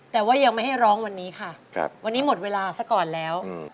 แต่ว่ายังไม่ให้ร้องวันนี้ค่ะวันนี้หมดเวลาซะก่อนแล้ว